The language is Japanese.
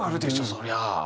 そりゃ。